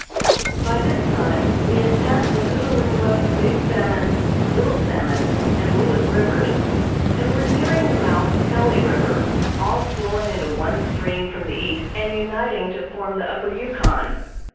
By this time we had passed the Hootalingua, Big Salmon, Little Salmon and Lewes rivers, and were nearing the mouth of Pelley River, all flowing into one stream from the east and uniting to form the Upper Yukon.